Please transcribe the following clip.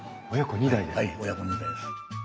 はい親子２代です。